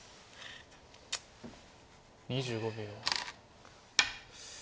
２５秒。